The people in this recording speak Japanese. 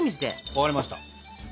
分かりました。